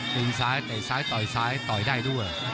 ตีนซ้ายเตะซ้ายต่อยซ้ายต่อยได้ด้วย